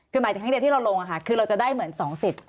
คือหมายถึงครั้งเดียวที่เราลงค่ะคือเราจะได้เหมือนสองสิทธิ